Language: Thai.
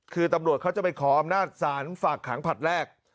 คือตำรวจเขาจะไปขออำนาจศาลฝากขังผลัดแรก